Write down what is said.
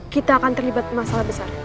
kita akan terlibat masalah besar